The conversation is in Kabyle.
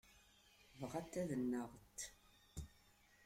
Bɣant ad nnaɣent.